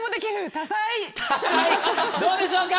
多才どうでしょうか？